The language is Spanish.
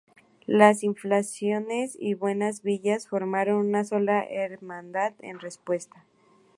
Los Infanzones y Buenas villas formaron una sola Hermandad en respuesta.